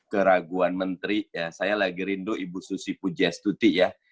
keraguan menteri saya lagi rindu ibu susi pujiastuti ya